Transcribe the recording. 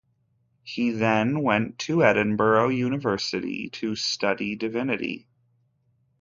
He then went to Edinburgh University to study Divinity.